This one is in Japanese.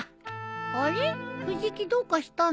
あれ藤木どうかしたの？